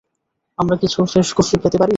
আমরা কিছু fresh coffee পেতে পারি?